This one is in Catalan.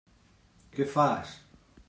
Què fas?